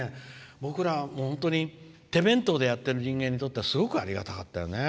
僕ら、本当に手弁当でやってる人間にとってはすごくありがたかったよね。